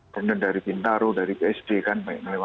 kemudian dari pintaro dari psj kan